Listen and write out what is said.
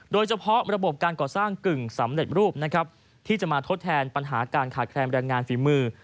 โดยเฉพาะระบบการก่อสร้างกึ่งสำเร็จรูปนะครับที่จะมาทดแทนปัญหาการขาดแคลนแรงงานฝีมือ